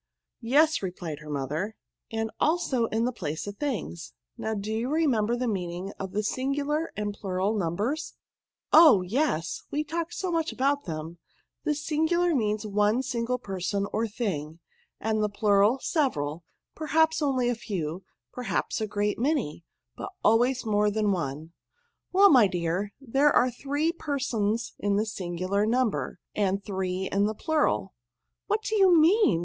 " Yes," replied her mother, " and also in the place of things. Now, do you remember the meaning of the singular and plural num bers?" " Oh! yes, we talked so much about them. The singular means one single person or thing; and the plural, several — perhaps only PRONOUNS* 161 a few — perhaps a great many^ but always more than one." '* Well, my dear, there are three persons in the singular number, and three in the plural." " What do you mean?"